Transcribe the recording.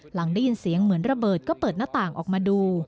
หลังได้ยินเสียงเหมือนระเบิดก็เปิดหน้าต่างออกมาดู